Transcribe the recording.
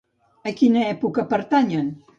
A quina època pertanyen?